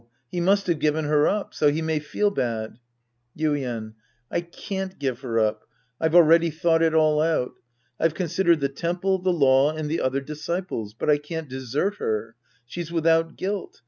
He must have given her up. So he may feel bad. Yuien. I can't give her up. I've already thought it all out. I've considered the temple, the law and the other disciples. But I can't desert her. She's without guilt.